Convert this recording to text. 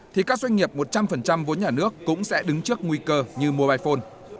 thì các doanh nghiệp một trăm linh vốn nhà nước cũng sẽ đứng trước nguy cơ như mobile phone